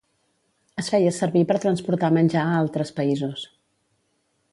Es feia servir per transportar menjar a altres països.